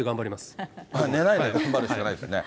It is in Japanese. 寝ないで頑張るしかないですね。